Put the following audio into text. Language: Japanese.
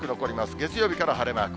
月曜日から晴れマーク。